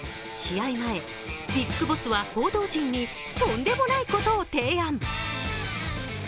試合前、ビッグボスは報道陣にとんでもないことを提案。